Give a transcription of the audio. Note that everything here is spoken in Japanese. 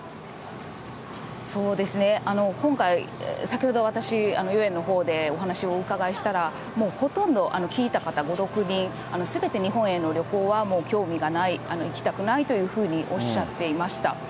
そうですね、今回、先ほど、私、豫園のほうでお話をお伺いしたら、もうほとんど聞いた方、５、６人、すべて日本への旅行はもう興味がない、行きたくないというふうにおっしゃっていました。